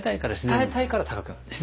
伝えたいから高くなってる。